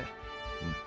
うん。